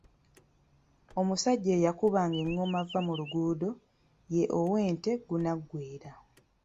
Omusajja eyakubanga engoma Vvamuluguudo ye ow’ente Gunaggweera.